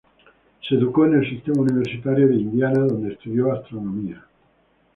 Se educó en el Sistema Universitario de Indiana, donde estudió astronomía.